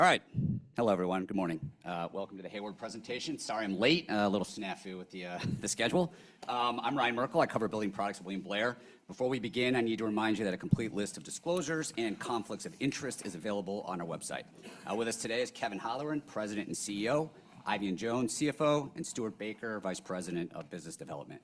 All right. Hello, everyone. Good morning. Welcome to the Hayward presentation. Sorry I'm late. A little snafu with the schedule. I'm Ryan Merkel. I cover building products with William Blair. Before we begin, I need to remind you that a complete list of disclosures and conflicts of interest is available on our website. With us today is Kevin Holleran, President and CEO; Eifion Jones, CFO; and Stuart Baker, Vice President of Business Development.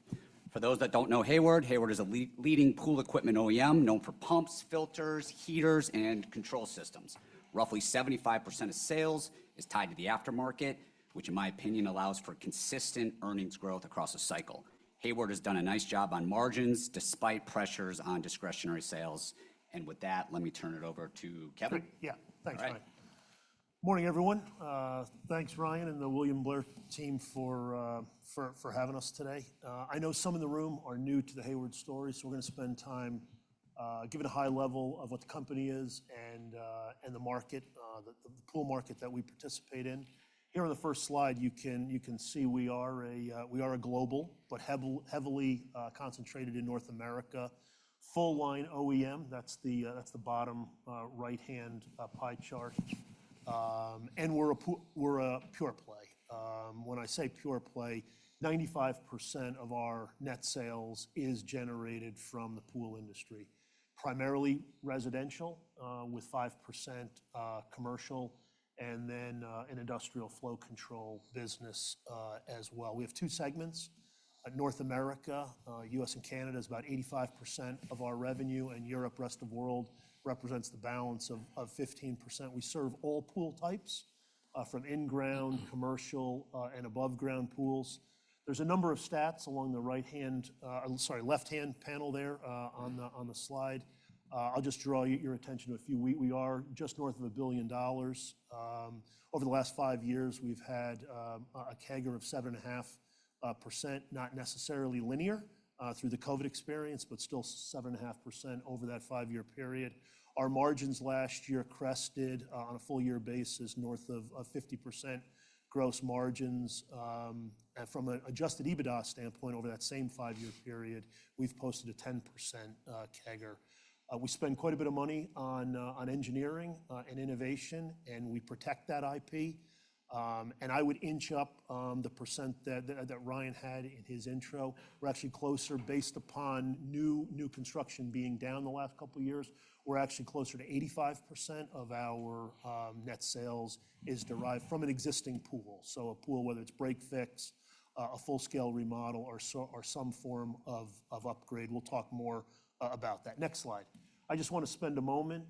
For those that don't know Hayward, Hayward is a leading pool equipment OEM known for pumps, filters, heaters, and control systems. Roughly 75% of sales is tied to the aftermarket, which, in my opinion, allows for consistent earnings growth across a cycle. Hayward has done a nice job on margins despite pressures on discretionary sales. And with that, let me turn it over to Kevin. Yeah. Thanks, Ryan. Morning, everyone. Thanks, Ryan, and the William Blair team for having us today. I know some in the room are new to the Hayward story, so we're going to spend time giving a high level of what the company is and the market, the pool market that we participate in. Here on the first slide, you can see we are a global but heavily concentrated in North America. Full line OEM, that's the bottom right-hand pie chart. And we're a pure play. When I say pure play, 95% of our net sales is generated from the pool industry, primarily residential with 5% commercial, and then an industrial flow control business as well. We have two segments. North America, U.S. and Canada, is about 85% of our revenue, and Europe, rest of the world, represents the balance of 15%. We serve all pool types from in-ground, commercial, and above-ground pools. There's a number of stats along the right-hand, sorry, left-hand panel there on the slide. I'll just draw your attention to a few. We are just north of a billion dollars. Over the last five years, we've had a CAGR of 7.5%, not necessarily linear through the COVID experience, but still 7.5% over that five-year period. Our margins last year crested on a full-year basis, north of 50% gross margins. From an adjusted EBITDA standpoint, over that same five-year period, we've posted a 10% CAGR. We spend quite a bit of money on engineering and innovation, and we protect that IP. I would inch up the percent that Ryan had in his intro. We're actually closer, based upon new construction being down the last couple of years, we're actually closer to 85% of our net sales is derived from an existing pool. A pool, whether it's break fix, a full-scale remodel, or some form of upgrade. We'll talk more about that. Next slide. I just want to spend a moment.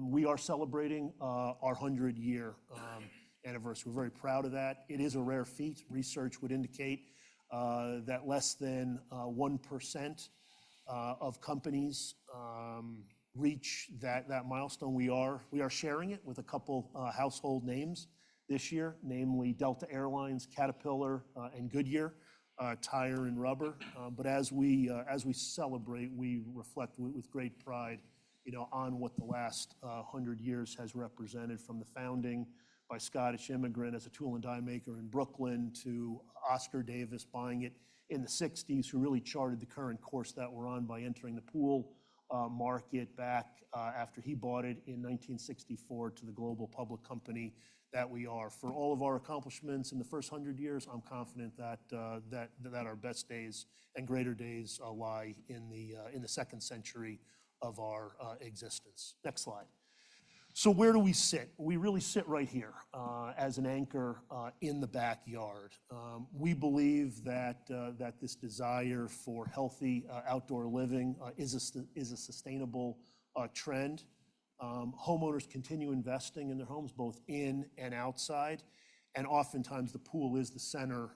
We are celebrating our 100-year anniversary. We're very proud of that. It is a rare feat. Research would indicate that less than 1% of companies reach that milestone. We are sharing it with a couple of household names this year, namely Delta Air Lines, Caterpillar, and Goodyear Tire & Rubber Company. As we celebrate, we reflect with great pride on what the last 100 years has represented, from the founding by a Scottish immigrant as a tool and die maker in Brooklyn to Oscar Davis buying it in the 1960s, who really charted the current course that we're on by entering the pool market back after he bought it in 1964 to the global public company that we are. For all of our accomplishments in the first 100 years, I'm confident that our best days and greater days lie in the second century of our existence. Next slide. Where do we sit? We really sit right here as an anchor in the backyard. We believe that this desire for healthy outdoor living is a sustainable trend. Homeowners continue investing in their homes, both in and outside. Oftentimes, the pool is the center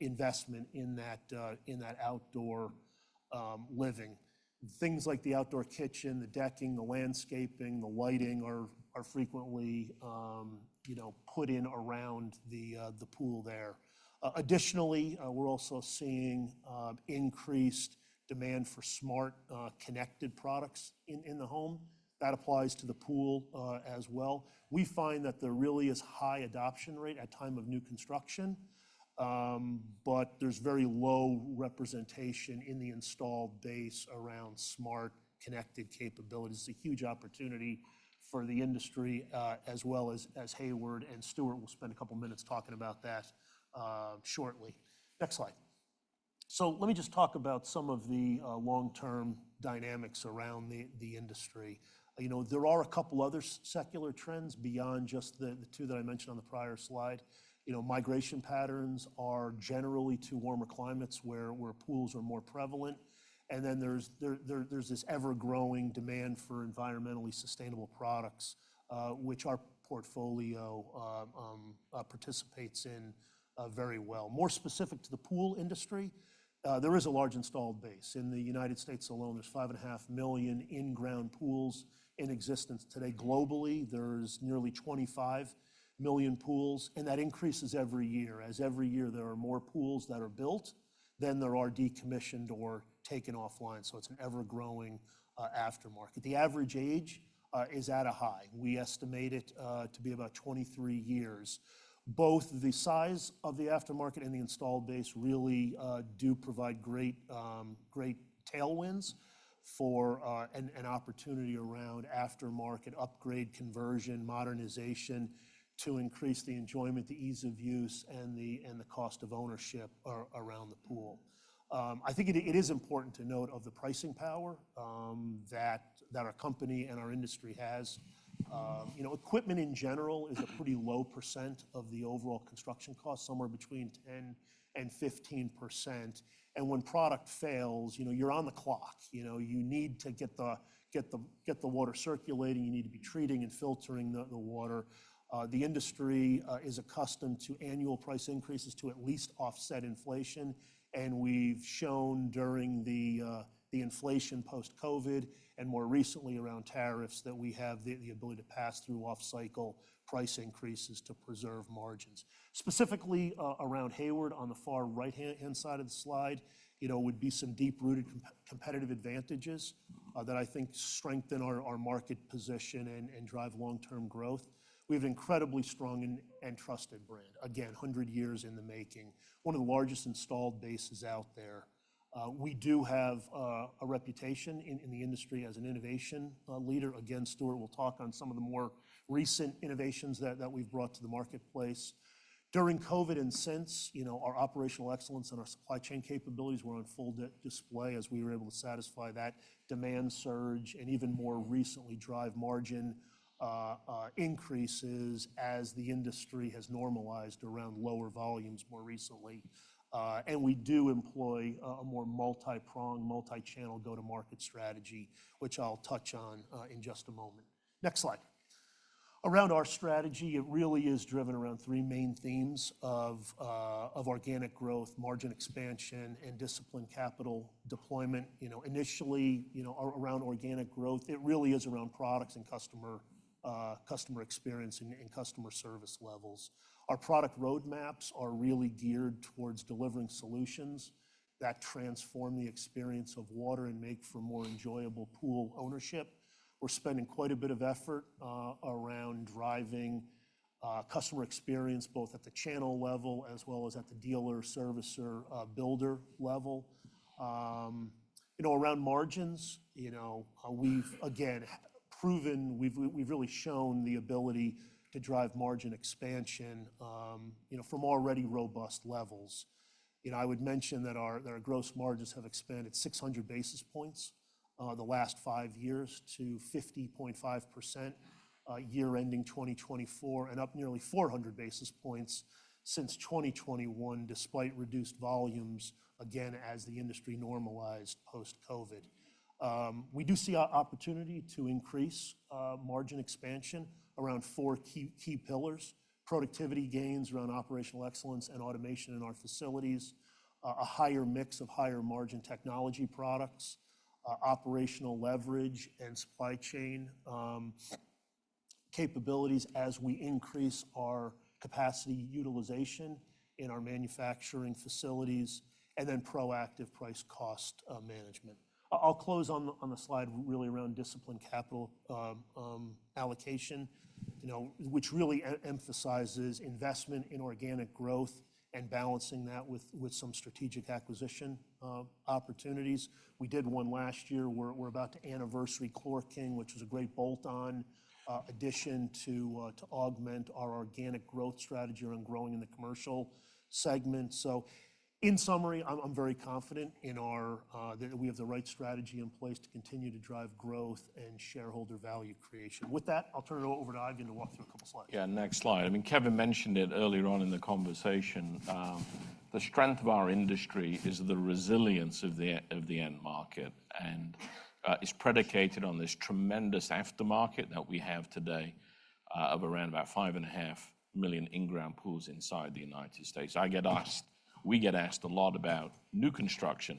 investment in that outdoor living. Things like the outdoor kitchen, the decking, the landscaping, the lighting are frequently put in around the pool there. Additionally, we're also seeing increased demand for smart connected products in the home. That applies to the pool as well. We find that there really is a high adoption rate at time of new construction, but there's very low representation in the installed base around smart connected capabilities. It's a huge opportunity for the industry, as well as Hayward. Stuart will spend a couple of minutes talking about that shortly. Next slide. Let me just talk about some of the long-term dynamics around the industry. There are a couple of other secular trends beyond just the two that I mentioned on the prior slide. Migration patterns are generally to warmer climates where pools are more prevalent. There is this ever-growing demand for environmentally sustainable products, which our portfolio participates in very well. More specific to the pool industry, there is a large installed base. In the United States alone, there's 5.5 million in-ground pools in existence. Today, globally, there's nearly 25 million pools. That increases every year. Every year, there are more pools that are built than there are decommissioned or taken offline. It's an ever-growing aftermarket. The average age is at a high. We estimate it to be about 23 years. Both the size of the aftermarket and the installed base really do provide great tailwinds for an opportunity around aftermarket upgrade, conversion, modernization to increase the enjoyment, the ease of use, and the cost of ownership around the pool. I think it is important to note the pricing power that our company and our industry has. Equipment, in general, is a pretty low % of the overall construction cost, somewhere between 10-15%. When product fails, you're on the clock. You need to get the water circulating. You need to be treating and filtering the water. The industry is accustomed to annual price increases to at least offset inflation. We have shown during the inflation post-COVID and more recently around tariffs that we have the ability to pass through off-cycle price increases to preserve margins. Specifically around Hayward, on the far right-hand side of the slide, would be some deep-rooted competitive advantages that I think strengthen our market position and drive long-term growth. We have an incredibly strong and trusted brand. Again, 100 years in the making. One of the largest installed bases out there. We do have a reputation in the industry as an innovation leader. Again, Stuart will talk on some of the more recent innovations that we have brought to the marketplace. During COVID and since, our operational excellence and our supply chain capabilities were on full display as we were able to satisfy that demand surge and even more recently drive margin increases as the industry has normalized around lower volumes more recently. We do employ a more multi-prong, multi-channel go-to-market strategy, which I'll touch on in just a moment. Next slide. Around our strategy, it really is driven around three main themes of organic growth, margin expansion, and disciplined capital deployment. Initially, around organic growth, it really is around products and customer experience and customer service levels. Our product roadmaps are really geared towards delivering solutions that transform the experience of water and make for more enjoyable pool ownership. We're spending quite a bit of effort around driving customer experience both at the channel level as well as at the dealer, servicer, builder level. Around margins, we've, again, proven we've really shown the ability to drive margin expansion from already robust levels. I would mention that our gross margins have expanded 600 basis points the last five years to 50.5% year-ending 2024 and up nearly 400 basis points since 2021, despite reduced volumes, again, as the industry normalized post-COVID. We do see opportunity to increase margin expansion around four key pillars: productivity gains around operational excellence and automation in our facilities, a higher mix of higher margin technology products, operational leverage and supply chain capabilities as we increase our capacity utilization in our manufacturing facilities, and then proactive price-cost management. I'll close on the slide really around disciplined capital allocation, which really emphasizes investment in organic growth and balancing that with some strategic acquisition opportunities. We did one last year. We're about to anniversary ChlorKing, which was a great bolt-on addition to augment our organic growth strategy around growing in the commercial segment. In summary, I'm very confident that we have the right strategy in place to continue to drive growth and shareholder value creation. With that, I'll turn it over to Eifion to walk through a couple of slides. Yeah, next slide. I mean, Kevin mentioned it earlier on in the conversation. The strength of our industry is the resilience of the end market and is predicated on this tremendous aftermarket that we have today of around about 5.5 million in-ground pools inside the United States. I get asked, we get asked a lot about new construction,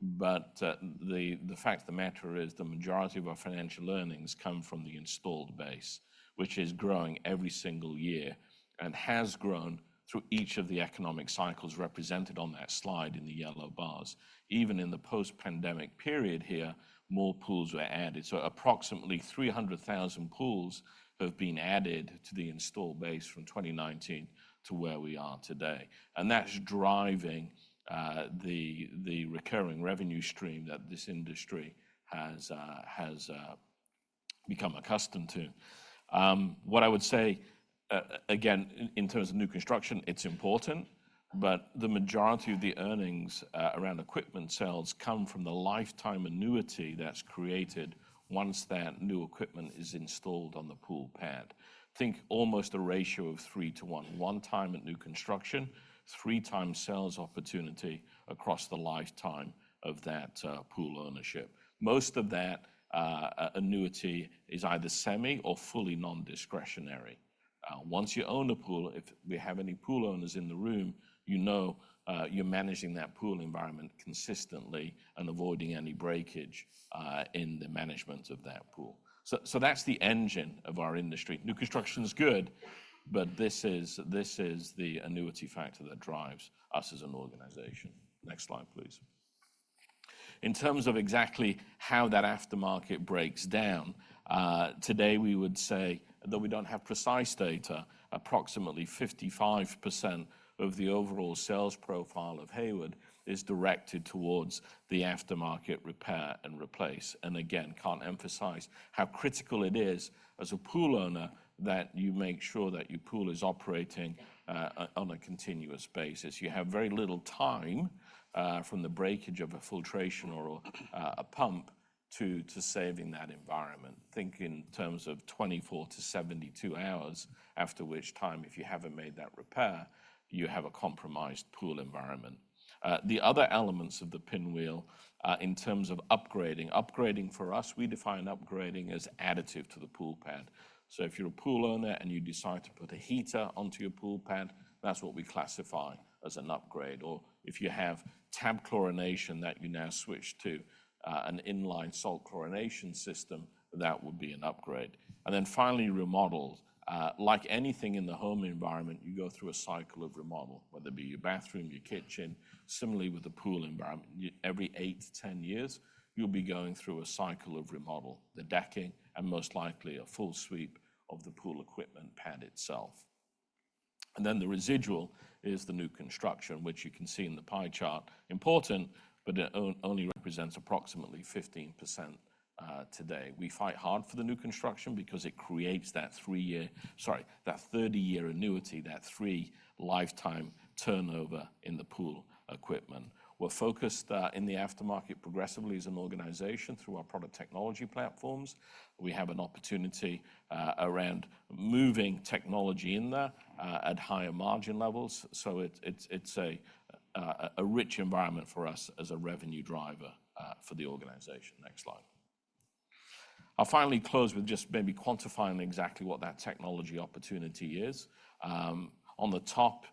but the fact of the matter is the majority of our financial earnings come from the installed base, which is growing every single year and has grown through each of the economic cycles represented on that slide in the yellow bars. Even in the post-pandemic period here, more pools were added. Approximately 300,000 pools have been added to the installed base from 2019 to where we are today. That is driving the recurring revenue stream that this industry has become accustomed to. What I would say, again, in terms of new construction, it's important, but the majority of the earnings around equipment sales come from the lifetime annuity that's created once that new equipment is installed on the pool pad. Think almost a ratio of three to one. One time at new construction, three times sales opportunity across the lifetime of that pool ownership. Most of that annuity is either semi or fully non-discretionary. Once you own a pool, if we have any pool owners in the room, you know you're managing that pool environment consistently and avoiding any breakage in the management of that pool. That's the engine of our industry. New construction is good, but this is the annuity factor that drives us as an organization. Next slide, please. In terms of exactly how that aftermarket breaks down, today we would say that we don't have precise data. Approximately 55% of the overall sales profile of Hayward is directed towards the aftermarket repair and replace. I can't emphasize how critical it is as a pool owner that you make sure that your pool is operating on a continuous basis. You have very little time from the breakage of a filtration or a pump to saving that environment. Think in terms of 24-72 hours, after which time, if you haven't made that repair, you have a compromised pool environment. The other elements of the pinwheel in terms of upgrading. Upgrading for us, we define upgrading as additive to the pool pad. If you're a pool owner and you decide to put a heater onto your pool pad, that's what we classify as an upgrade. Or if you have tab chlorination that you now switch to an inline salt chlorination system, that would be an upgrade. Finally, remodels. Like anything in the home environment, you go through a cycle of remodel, whether it be your bathroom, your kitchen. Similarly, with the pool environment, every eight to 10 years, you'll be going through a cycle of remodel, the decking, and most likely a full sweep of the pool equipment pad itself. The residual is the new construction, which you can see in the pie chart. Important, but it only represents approximately 15% today. We fight hard for the new construction because it creates that 30-year annuity, that three lifetime turnover in the pool equipment. We're focused in the aftermarket progressively as an organization through our product technology platforms. We have an opportunity around moving technology in there at higher margin levels. It's a rich environment for us as a revenue driver for the organization. Next slide. I'll finally close with just maybe quantifying exactly what that technology opportunity is. On the top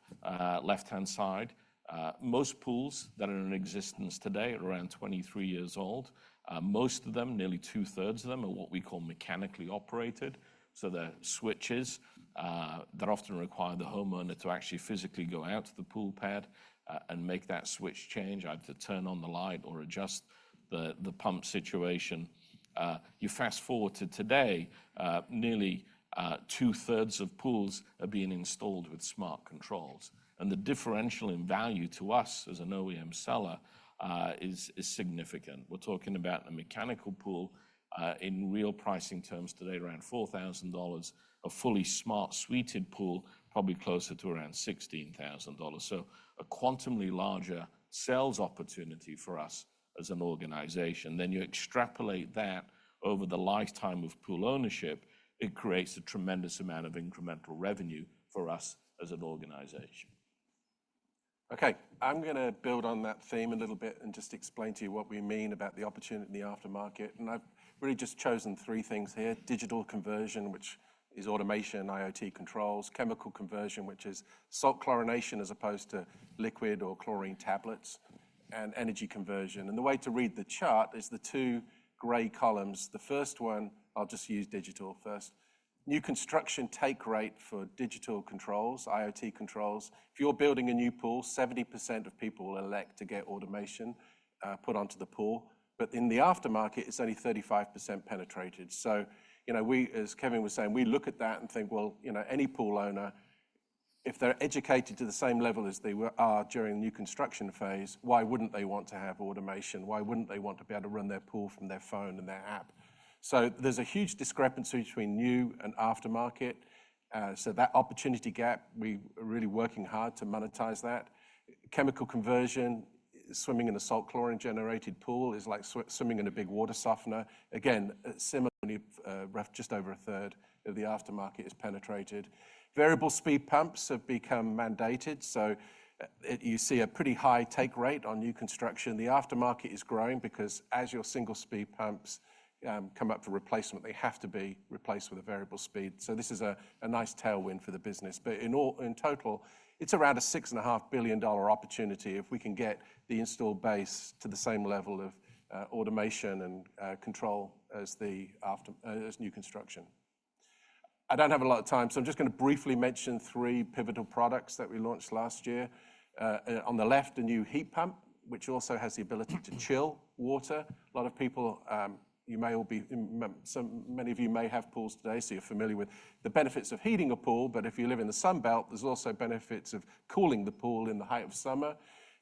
left-hand side, most pools that are in existence today are around 23 years old. Most of them, nearly two-thirds of them, are what we call mechanically operated. So they're switches. They often require the homeowner to actually physically go out to the pool pad and make that switch change. I have to turn on the light or adjust the pump situation. You fast forward to today, nearly 2/3 of pools are being installed with smart controls. The differential in value to us as an OEM seller is significant. We're talking about a mechanical pool in real pricing terms today around $4,000. A fully smart suited pool, probably closer to around $16,000. A quantumly larger sales opportunity for us as an organization. You extrapolate that over the lifetime of pool ownership, it creates a tremendous amount of incremental revenue for us as an organization. Okay. I'm going to build on that theme a little bit and just explain to you what we mean about the opportunity in the aftermarket. I've really just chosen three things here: digital conversion, which is automation and IoT controls; chemical conversion, which is salt chlorination as opposed to liquid or chlorine tablets; and energy conversion. The way to read the chart is the two gray columns. The first one, I'll just use digital first. New construction take rate for digital controls, IoT controls. If you're building a new pool, 70% of people will elect to get automation put onto the pool. In the aftermarket, it's only 35% penetrated. As Kevin was saying, we look at that and think, well, any pool owner, if they're educated to the same level as they are during the new construction phase, why wouldn't they want to have automation? Why wouldn't they want to be able to run their pool from their phone and their app? There is a huge discrepancy between new and aftermarket. That opportunity gap, we are really working hard to monetize that. Chemical conversion, swimming in a salt chlorine-generated pool is like swimming in a big water softener. Again, similarly, just over a third of the aftermarket is penetrated. Variable speed pumps have become mandated. You see a pretty high take rate on new construction. The aftermarket is growing because as your single speed pumps come up for replacement, they have to be replaced with a variable speed. This is a nice tailwind for the business. In total, it is around a $6.5 billion opportunity if we can get the installed base to the same level of automation and control as new construction. I don't have a lot of time, so I'm just going to briefly mention three pivotal products that we launched last year. On the left, a new heat pump, which also has the ability to chill water. A lot of people, you may all be, many of you may have pools today, so you're familiar with the benefits of heating a pool. If you live in the Sunbelt, there's also benefits of cooling the pool in the height of summer.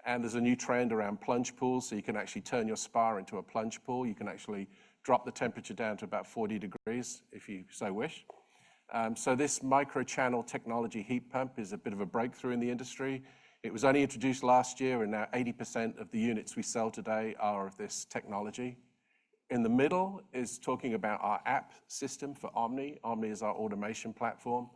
There's a new trend around plunge pools, so you can actually turn your spa into a plunge pool. You can actually drop the temperature down to about 40 degrees if you so wish. This micro-channel technology heat pump is a bit of a breakthrough in the industry. It was only introduced last year, and now 80% of the units we sell today are of this technology. In the middle is talking about our app system for Omni. Omni is our automation platform.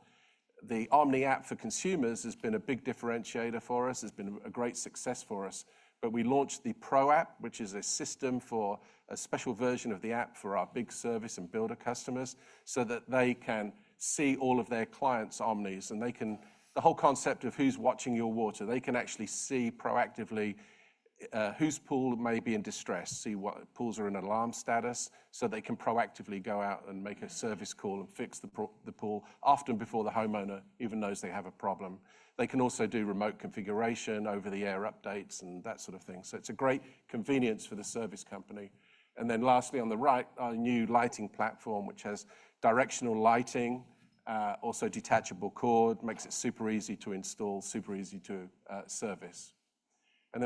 The Omni app for consumers has been a big differentiator for us. It has been a great success for us. We launched the Pro app, which is a system for a special version of the app for our big service and builder customers so that they can see all of their clients' Omnis. The whole concept of who's watching your water, they can actually see proactively whose pool may be in distress, see what pools are in alarm status, so they can proactively go out and make a service call and fix the pool often before the homeowner even knows they have a problem. They can also do remote configuration, over-the-air updates, and that sort of thing. It is a great convenience for the service company. Lastly, on the right, our new lighting platform, which has directional lighting, also detachable cord, makes it super easy to install, super easy to service.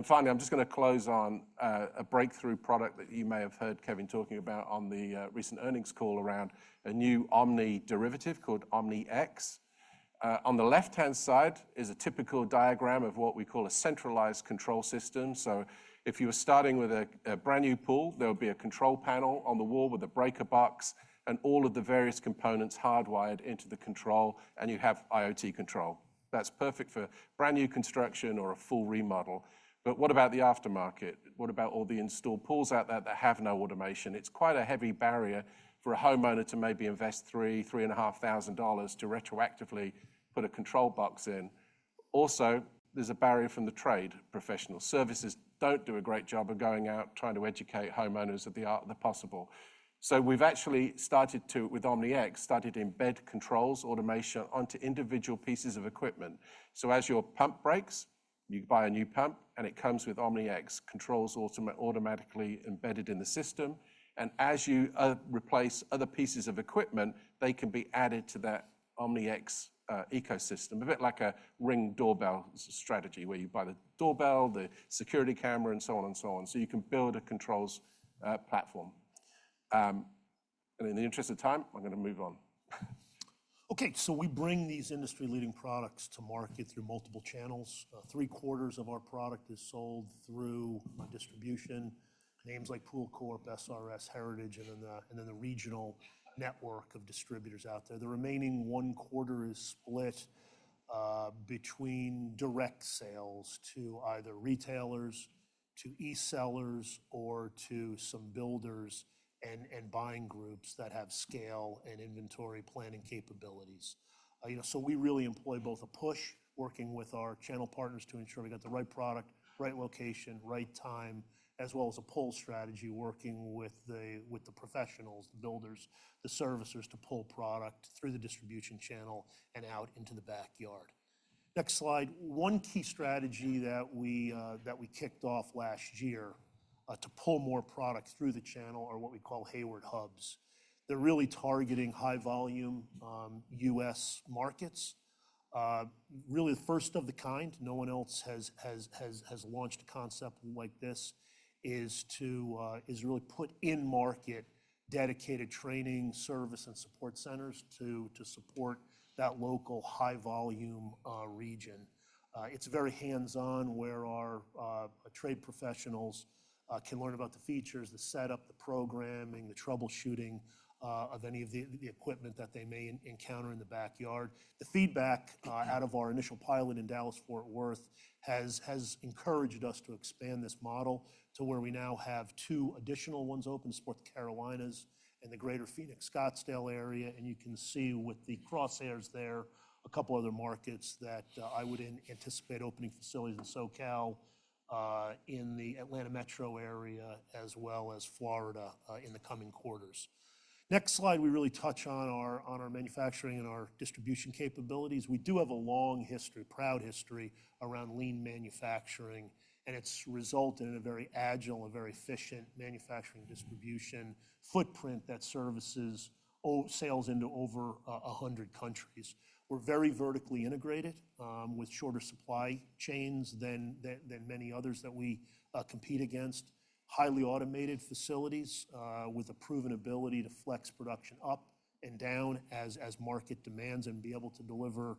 Finally, I'm just going to close on a breakthrough product that you may have heard Kevin talking about on the recent earnings call around a new Omni derivative called Omni X. On the left-hand side is a typical diagram of what we call a centralized control system. If you were starting with a brand new pool, there would be a control panel on the wall with a breaker box and all of the various components hardwired into the control, and you have IoT control. That's perfect for brand new construction or a full remodel. What about the aftermarket? What about all the installed pools out there that have no automation? It's quite a heavy barrier for a homeowner to maybe invest $3,000, $3,500 to retroactively put a control box in. Also, there's a barrier from the trade professionals. Services don't do a great job of going out trying to educate homeowners at the art of the possible. We have actually started to, with Omni X, started to embed controls automation onto individual pieces of equipment. As your pump breaks, you buy a new pump, and it comes with Omni X controls automatically embedded in the system. As you replace other pieces of equipment, they can be added to that Omni X ecosystem, a bit like a ring doorbell strategy where you buy the doorbell, the security camera, and so on and so on. You can build a controls platform. In the interest of time, I'm going to move on. Okay. So we bring these industry-leading products to market through multiple channels. Three quarters of our product is sold through distribution, names like POOLCORP, SRS, Heritage, and then the regional network of distributors out there. The remaining one quarter is split between direct sales to either retailers, to e-sellers, or to some builders and buying groups that have scale and inventory planning capabilities. So we really employ both a push, working with our channel partners to ensure we got the right product, right location, right time, as well as a pull strategy, working with the professionals, the builders, the servicers to pull product through the distribution channel and out into the backyard. Next slide. One key strategy that we kicked off last year to pull more product through the channel are what we call Hayward Hubs. They're really targeting high-volume U.S. markets. Really the first of the kind, no one else has launched a concept like this, is to really put in-market dedicated training, service, and support centers to support that local high-volume region. It's very hands-on where our trade professionals can learn about the features, the setup, the programming, the troubleshooting of any of the equipment that they may encounter in the backyard. The feedback out of our initial pilot in Dallas-Fort Worth has encouraged us to expand this model to where we now have two additional ones open in North Carolina and the greater Phoenix-Scottsdale area. You can see with the crosshairs there a couple of other markets that I would anticipate opening facilities in SoCal, in the Atlanta metro area, as well as Florida in the coming quarters. Next slide, we really touch on our manufacturing and our distribution capabilities. We do have a long history, proud history around lean manufacturing, and it's resulted in a very agile and very efficient manufacturing distribution footprint that services sales into over 100 countries. We're very vertically integrated with shorter supply chains than many others that we compete against, highly automated facilities with a proven ability to flex production up and down as market demands and be able to deliver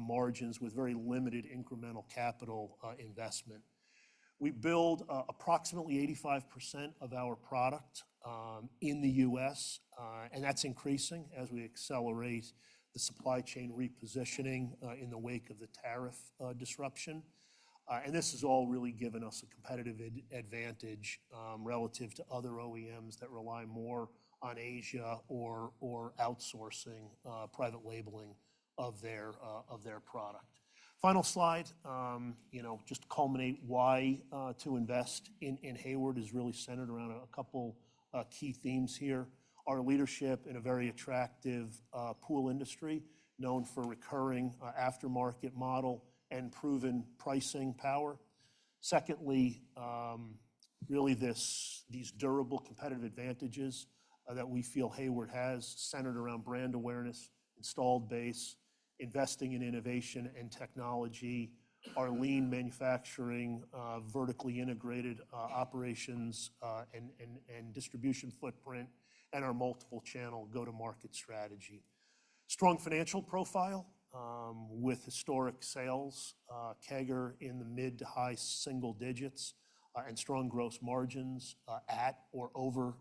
margins with very limited incremental capital investment. We build approximately 85% of our product in the U.S., and that's increasing as we accelerate the supply chain repositioning in the wake of the tariff disruption. This has all really given us a competitive advantage relative to other OEMs that rely more on Asia or outsourcing private labeling of their product. Final slide, just to culminate why to invest in Hayward is really centered around a couple key themes here. Our leadership in a very attractive pool industry known for recurring aftermarket model and proven pricing power. Secondly, really these durable competitive advantages that we feel Hayward has centered around brand awareness, installed base, investing in innovation and technology, our lean manufacturing, vertically integrated operations and distribution footprint, and our multiple-channel go-to-market strategy. Strong financial profile with historic sales, CAGR in the mid to high single digits, and strong gross margins at or over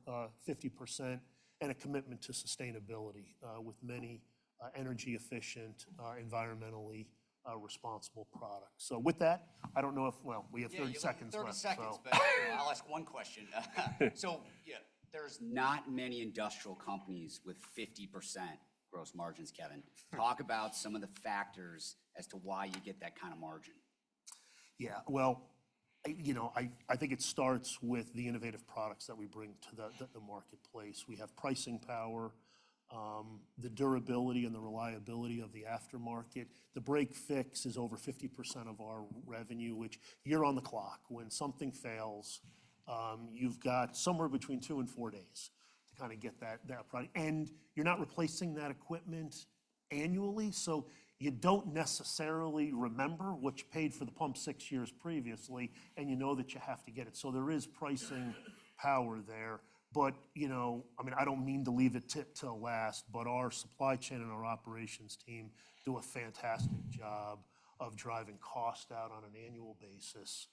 50%, and a commitment to sustainability with many energy-efficient, environmentally responsible products. With that, I do not know if, well, we have 30 seconds left. Thirty seconds. I'll ask one question. There are not many industrial companies with 50% gross margins, Kevin. Talk about some of the factors as to why you get that kind of margin. Yeah. I think it starts with the innovative products that we bring to the marketplace. We have pricing power, the durability and the reliability of the aftermarket. The break fix is over 50% of our revenue, which year-round the clock, when something fails, you've got somewhere between two and four days to kind of get that product. And you're not replacing that equipment annually, so you don't necessarily remember what you paid for the pump six years previously, and you know that you have to get it. There is pricing power there. I mean, I don't mean to leave it till last, but our supply chain and our operations team do a fantastic job of driving cost out on an annual basis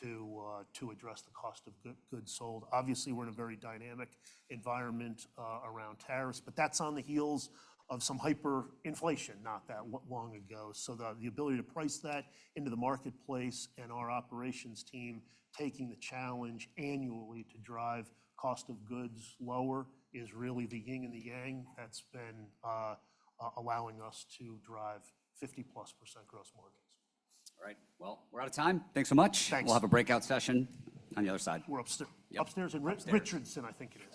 to address the cost of goods sold. Obviously, we're in a very dynamic environment around tariffs, but that's on the heels of some hyperinflation not that long ago. The ability to price that into the marketplace and our operations team taking the challenge annually to drive cost of goods lower is really the yin and the yang that's been allowing us to drive 50+% gross margins. All right. We're out of time. Thanks so much. Thanks. We'll have a breakout session on the other side. We're upstairs. Richardson, I think it is.